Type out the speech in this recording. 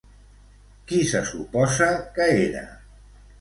Qui se suposa que era?